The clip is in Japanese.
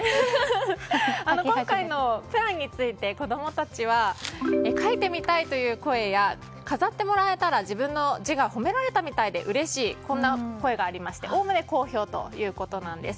今回のことについて子供たちは書いてみたいという声や飾ってもらえたら自分の字が褒められたみたいでうれしいとこんな声がありましておおむね好評ということなんです。